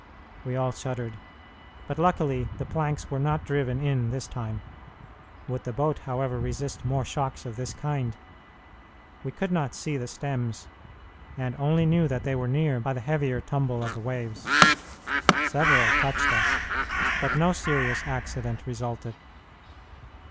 We all shuddered, but luckily the planks were not driven in this time. Would the boat, however, resist more shocks of this kind? We could not see the stems, and only knew that they were near by the heavier tumble of the waves. Several touched us, but no serious accident resulted.